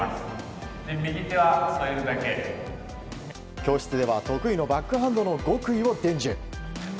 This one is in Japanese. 教室では得意のバックハンドの極意を伝授。